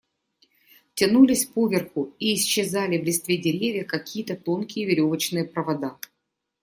Тянулись поверху и исчезали в листве деревьев какие-то тонкие веревочные провода.